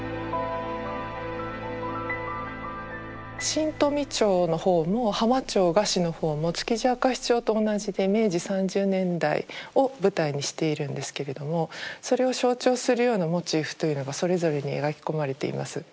「新富町」の方も「浜町河岸」の方も「築地明石町」と同じで明治３０年代を舞台にしているんですけれどもそれを象徴するようなモチーフというのがそれぞれに描き込まれています。